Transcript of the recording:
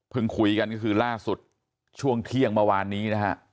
คุยกันก็คือล่าสุดช่วงเที่ยงเมื่อวานนี้นะฮะ